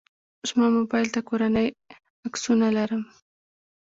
زما موبایل ته کورنۍ عکسونه لرم.